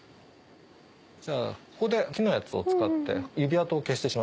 じゃあここで木のやつを使って指跡を消して。